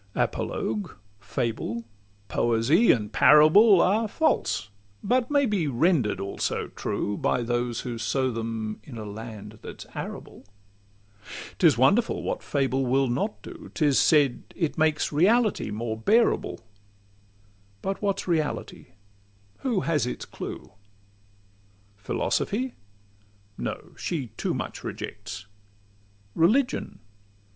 Apologue, fable, poesy, and parable, Are false, but may he render'd also true, By those who sow them in a land that 's arable. 'Tis wonderful what fable will not do! 'Tis said it makes reality more bearable: But what 's reality? Who has its clue? Philosophy? No: she too much rejects. Religion?